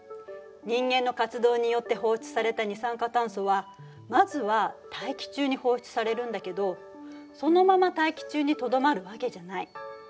人間の活動によって放出された二酸化炭素はまずは大気中に放出されるんだけどそのまま大気中にとどまるわけじゃない。